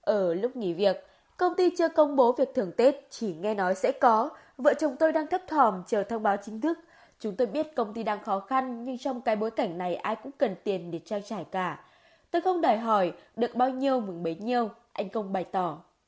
ở lúc nghỉ việc công ty chưa công bố việc thưởng tết chỉ nghe nói sẽ có vợ chồng tôi đang thấp thòm chờ thông báo chính thức chúng tôi biết công ty đang khó khăn nhưng trong cái bối cảnh này ai cũng cần tiền để trao trả cả tôi không đòi hỏi được bao nhiêu mừng bấy nhiêu anh công bày tỏ